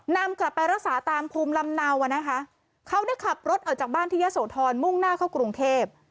นำกลับไปรักษาตามภูมิลำเนาอ่ะนะคะเขาได้ขับรถออกจากบ้านที่ยะโสธรมุ่งหน้าเข้ากรุงเทพ